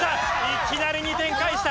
いきなり２点返した。